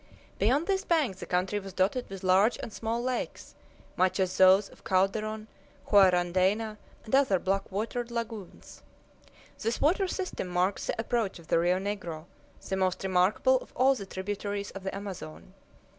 Beyond this bank the country was dotted with large and small lakes, much as those of Calderon, Huarandeina, and other black watered lagoons. This water system marks the approach of the Rio Negro, the most remarkable of all the tributaries of the Amazon.